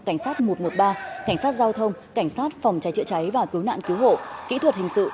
cảnh sát một trăm một mươi ba cảnh sát giao thông cảnh sát phòng cháy chữa cháy và cứu nạn cứu hộ kỹ thuật hình sự